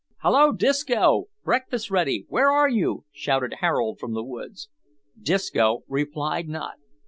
"Hallo, Disco! breakfast's ready where are you?" shouted Harold from the woods. Disco replied not.